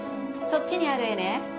そっちにある絵ね